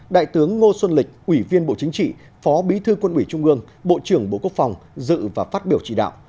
đại tướng ngô xuân lịch ủy viên bộ chính trị phó bí thư quân ủy trung ương bộ trưởng bộ quốc phòng dự và phát biểu chỉ đạo